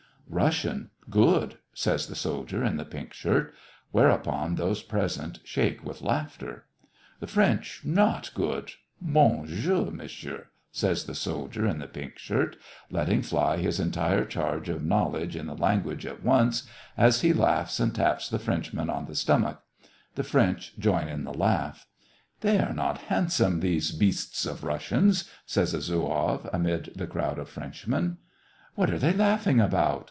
"Russian, good," says the soldier in the pink shirt : whereupon those present shake with laugh ter. " The French not good — bon jour^ Man sieury' says the soldier in the pink shirt, letting fly his entire charge of knowledge in the lan guage at once, as he laughs and taps the French man on the stomach. The French join in the laugh. " They are not handsome, these beasts of Russians," says a zouave, amid the crowd of Frenchmen. "What are they laughing about?"